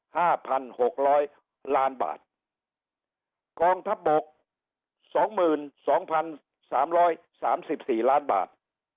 ห้าพันหกร้อยล้านบาทกองทัพบกสองหมื่นสองพันสามร้อยสามสิบสี่ล้านบาท